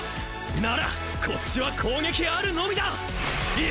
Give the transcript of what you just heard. ならこっちは攻撃あるのみだぁ！